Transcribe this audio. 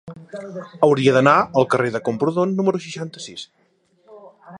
Hauria d'anar al carrer de Camprodon número seixanta-sis.